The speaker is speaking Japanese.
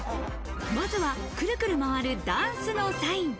まずはクルクル回るダンスのサイン。